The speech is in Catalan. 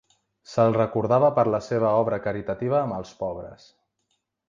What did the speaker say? Se'l recordava per la seva obra caritativa amb els pobres.